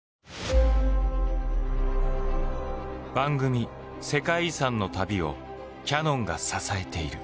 番組「世界遺産」の旅をキヤノンが支えている。